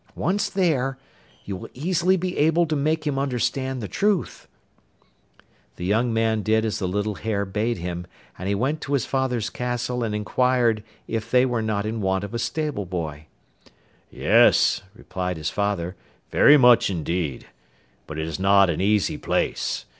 Once there, you will easily be able to make him understand the truth.' The young man did as the little hare bade him, and he went to his father's castle and enquired if they were not in want of a stable boy. 'Yes,' replied his father, 'very much indeed. But it is not an easy place.